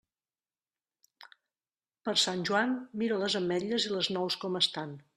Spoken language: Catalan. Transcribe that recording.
Per Sant Joan, mira les ametlles i les nous com estan.